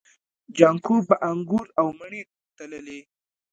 جانکو به انګور او مڼې تللې.